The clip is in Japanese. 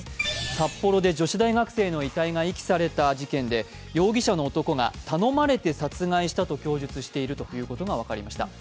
札幌で女子大学生の遺体が遺棄された事件で、容疑者の男が頼まれて殺害したと供述していることが分かりました。